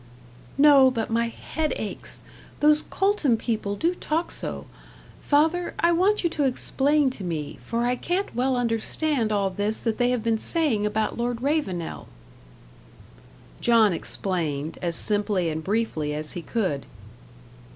"No, but my head aches. Those Coltham people do talk so. Father, I want you to explain to me, for I can't well understand all this that they have been saying about Lord Ravenel." John explained, as simply and briefly as he could.